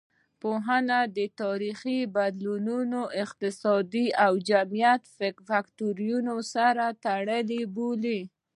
پوهان تاریخي بدلونونه اقتصادي او جمعیتي فکتورونو سره تړلي بولي.